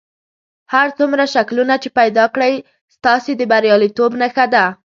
هر څومره شکلونه چې پیدا کړئ ستاسې د بریالیتوب نښه ده.